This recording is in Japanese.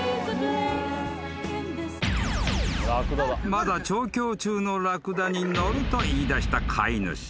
［まだ調教中のラクダに乗ると言いだした飼い主］